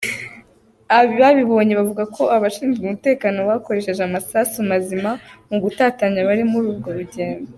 Ababibonye bavuga ko abashinzwe umutekano bakoresheje amasasu mazima mu gutatanya abari muri urwo rugendo.